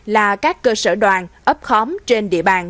là các cơ sở đoàn ấp khóm trên địa bàn